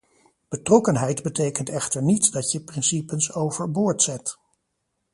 Betrokkenheid betekent echter niet dat je principes over boord zet.